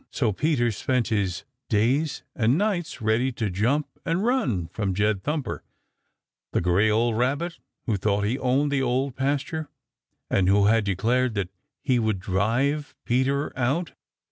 So Peter spent his days and nights ready to jump and run from Jed Thumper, the gray old Rabbit who thought he owned the Old Pasture, and who had declared that he would drive Peter out.